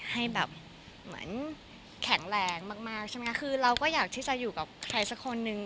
ให้แบบเหมือนแข็งแรงมากมากใช่ไหมคะคือเราก็อยากที่จะอยู่กับใครสักคนนึง